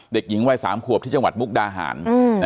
เด็กหญิงวัย๓ขวบที่จังหวัดมุกดาหาร